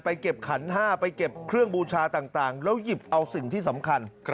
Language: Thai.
เก็บขันห้าไปเก็บเครื่องบูชาต่างแล้วหยิบเอาสิ่งที่สำคัญ